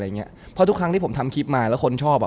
เพราะทุกครั้งที่ผมทำคลิปมาแล้วคนชอบอ่ะ